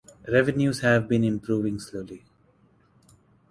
Revenues have been improving slowly.